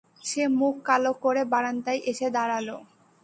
সে মুখ কালো করে বারান্দায় এসে দাঁড়াল।